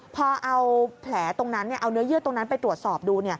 พอเอาแผลตรงนั้นเอาเนื้อเยื่อตรงนั้นไปตรวจสอบดู